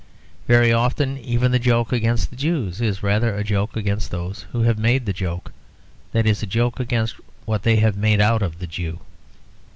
Very often even the joke against the Jew is rather a joke against those who have made the joke; that is, a joke against what they have made out of the Jew.